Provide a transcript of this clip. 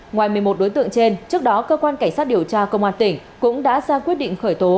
ngoài một mươi một đối tượng trên trước đó cơ quan cảnh sát điều tra công an tỉnh cũng đã ra quyết định khởi tố